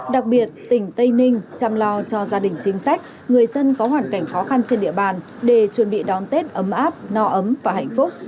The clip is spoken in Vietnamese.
đặc biệt tỉnh tây ninh chăm lo cho gia đình chính sách người dân có hoàn cảnh khó khăn trên địa bàn để chuẩn bị đón tết ấm áp no ấm và hạnh phúc